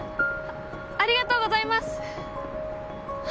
ありがとうございます！